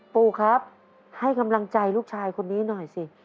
ปูครับให้กำลังใจลูกชายคนนี้หน่อยสิ